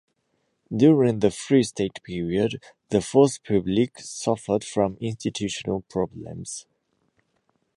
During the Free State period, the "Force Publique" suffered from institutional problems.